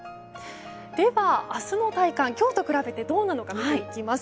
では、明日の体感、今日と比べてどうなのか見ていきます。